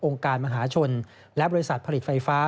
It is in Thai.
การมหาชนและบริษัทผลิตไฟฟ้า